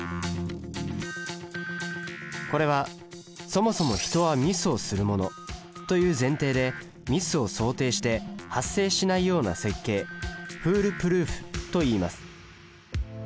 これは「そもそも人はミスをするもの」という前提でミスを想定して発生しないような設計フールプルーフといいます。